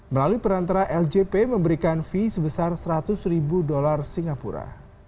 melalui perantara ljp memberikan fee sebesar seratus ribu dolar singapura